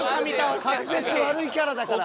滑舌悪いキャラだから。